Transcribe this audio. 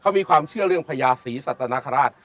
เขามีความเชื่อเรื่องพญาศรีสัตนคราช